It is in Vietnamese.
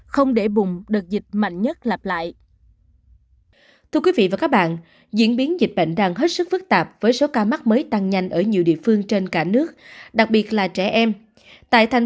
không để bệnh nhân chuyển nặng đến bệnh viện